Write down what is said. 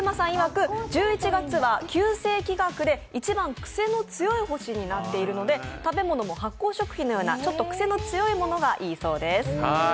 １１月は九星気学で一番癖の強い星になっているので食べ物も発酵食品のような、ちょっと癖の強いものがいいそうです。